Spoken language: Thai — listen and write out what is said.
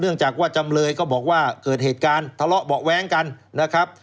จากว่าจำเลยก็บอกว่าเกิดเหตุการณ์ทะเลาะเบาะแว้งกันนะครับ